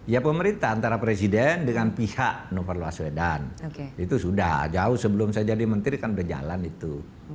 ya pemerintah antara presiden dengan pihak novel baswedan itu sudah jauh sebelum saya jadi menteri kan sudah jalan itu